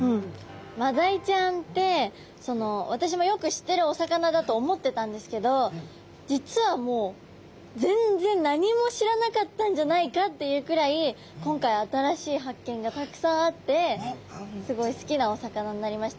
マダイちゃんって私もよく知ってるお魚だと思ってたんですけど実はもう全然何も知らなかったんじゃないかっていうくらい今回新しい発見がたくさんあってすごい好きなお魚になりました。